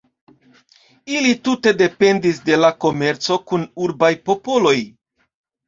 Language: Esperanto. Ili tute dependis de la komerco kun urbaj popoloj.